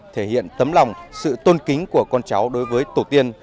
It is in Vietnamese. thể hiện tấm lòng sự tôn kính của con cháu đối với tổ tiên